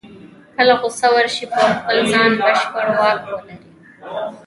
کله غوسه ورشي په خپل ځان بشپړ واک ولري.